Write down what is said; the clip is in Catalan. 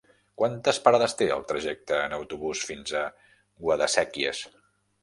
Quantes parades té el trajecte en autobús fins a Guadasséquies?